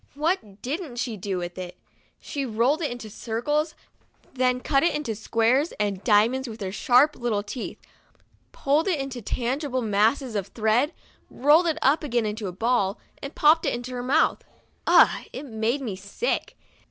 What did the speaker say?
What didn't she do with it ? She rolled it into circles, then cut it into squares and diamonds with her sharp little teeth, pulled it out into tangled masses of threads, rolled it up again into a ball, and popped it into her mouth. Ugh ! It made me sick